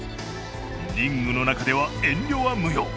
リングの中では遠慮は無用。